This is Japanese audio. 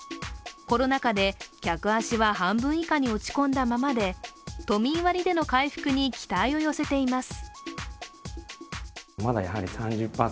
コロナ禍で客足は半分以下に落ち込んだままで都民割での回復に期待を寄せています。